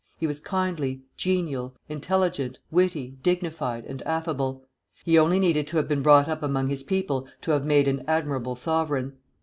He was kindly, genial, intelligent, witty, dignified, and affable. He only needed to have been brought up among his people to have made an admirable sovereign.